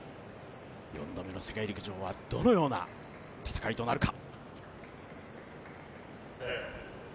４度目の世界陸上はどのような戦いとなるか。